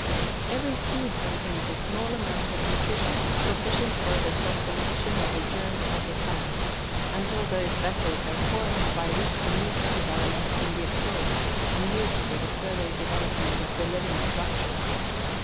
_ Every seed contains a small amount of nutrition, sufficient for the sustentation of the germ of the plant, until those vessels are formed, by which the nutritive elements can be absorbed and used for the further development of the living structure.